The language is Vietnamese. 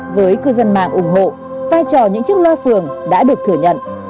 với cư dân mạng ủng hộ vai trò những chiếc loa phường đã được thừa nhận